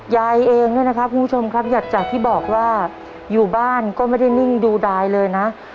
ยายเองเนี่ยนะครับคุณผู้ชมครับจากที่บอกว่าอยู่บ้านก็ไม่ได้นิ่งดูดายเลยนะ